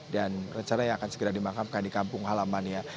dan rencana yang akan segera dimangkapkan di kampung halaman ya